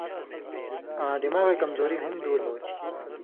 آں دماغَیں کمزوری ہُم دُور ہو تھی۔